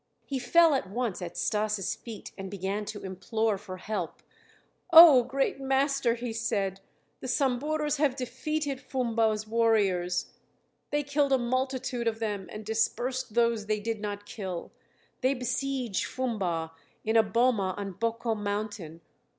He fell at once at Stas' feet and began to implore for help. "Oh, great master," he said, "the Samburus have defeated Fumba's warriors; they killed a multitude of them and dispersed those they did not kill. They besiege Fumba in a boma on Boko Mountain.